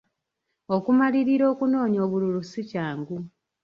Okumalirira okunoonya obululu si kyangu.